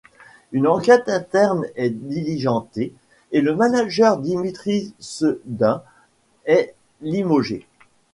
Une enquête interne est diligentée et le manager Dimitri Sedun est limogé.